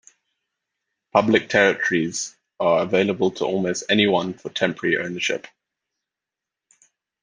Public territories are "available to almost anyone for temporary ownership".